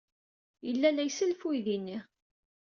Yella la isellef i uydi-nni.